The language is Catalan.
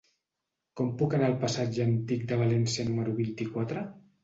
Com puc anar al passatge Antic de València número vuitanta-quatre?